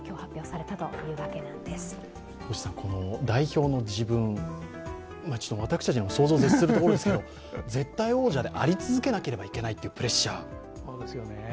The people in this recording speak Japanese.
代表の自分、ちょっと私たちには想像を絶するところですけど絶対王者であり続けなければいけないというプレッシャーですよね。